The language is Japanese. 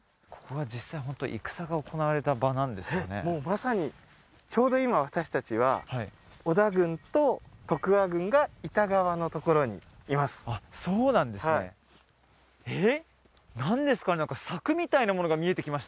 もうまさにちょうど今私達は織田軍と徳川軍がいた側のところにいますあっそうなんですねえっ！？